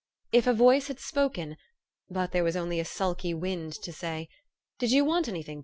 If a voice had spoken but there was only a sulky wind to say, " Did you want any thing.